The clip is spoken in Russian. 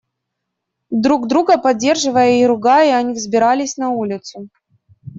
Друг друга поддерживая и ругая они взбирались на улицу.